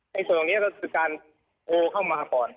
ส่งตรงนี้ก็คือการโทรเข้ามาก่อน